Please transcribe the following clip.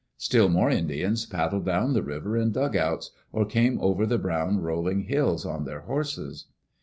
'* Still more Indians paddled down the river In dugouts, or came over the brown, rolling hills on their horses.